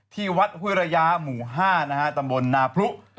ที่วัดห้วยระยะหมู่๕นะฮะตำบลนาพรุ